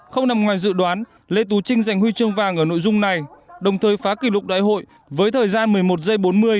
không nằm ngoài dự đoán lê tú trinh giành huy chương vàng ở nội dung này đồng thời phá kỷ lục đại hội với thời gian một mươi một giây bốn mươi